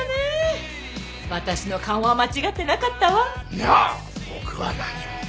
いや僕は何も。